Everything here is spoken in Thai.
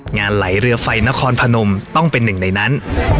ไหลเรือไฟนครพนมต้องเป็นหนึ่งในนั้น